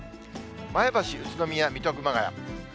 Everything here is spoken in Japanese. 前橋、宇都宮、水戸、熊谷。